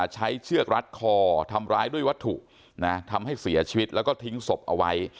เชือกรัดคอทำร้ายด้วยวัตถุทำให้เสียชีวิตแล้วก็ทิ้งศพเอาไว้